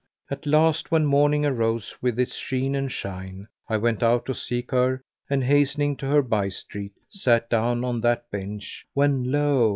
At last, when morning arose with its sheen and shine, I went out to seek her and hastening to her by street sat down on that bench, when lo!